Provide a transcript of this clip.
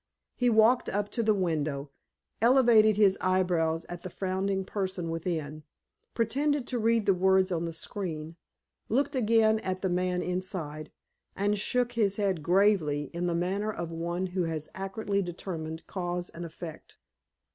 He walked up to the window, elevated his eyebrows at the frowning person within, pretended to read the words on the screen, looked again at the man inside, and shook his head gravely in the manner of one who has accurately determined cause and effect.